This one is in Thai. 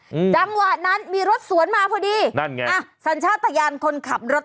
อืมจังหวะนั้นมีรถสวนมาพอดีนั่นไงอ่ะสัญชาติยานคนขับรถ